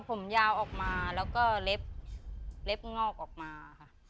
ก็ผมยาวออกมาแล้วก็เล็ปเล็ปงอกออกมา